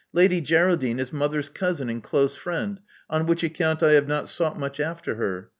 Lady Geraldine is mother's cousin and close friend, on which account I have not sought much after her.